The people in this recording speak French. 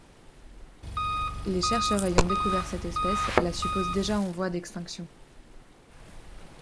Les chercheurs ayant découvert cette espèce la supposent déjà en voie d'extinction.